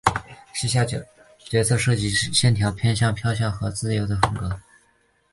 旗下角色设计的线条偏向飘忽和自由的风格。